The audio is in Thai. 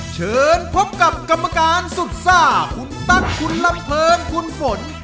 เชิญพบกับกรรมการสุดซ่าคุณตั๊กคุณลำเพิงคุณฝน